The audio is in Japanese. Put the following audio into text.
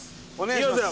いきますよ。